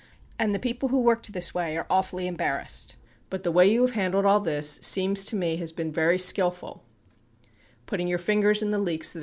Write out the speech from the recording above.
And the people who worked this way are awfully embarrassed. But the way you have handled all this seems to me has been very skillful putting your fingers 88 7 Hearings 2888 89.